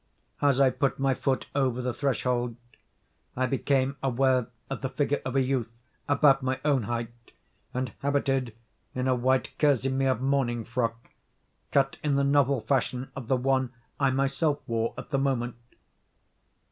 As I put my foot over the threshold, I became aware of the figure of a youth about my own height, and habited in a white kerseymere morning frock, cut in the novel fashion of the one I myself wore at the moment.